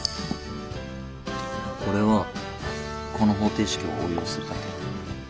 これはこの方程式を応用するだけ。